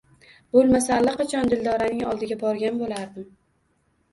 Boʻlmasa allaqachon Dildoraning oldiga borgan boʻlardim…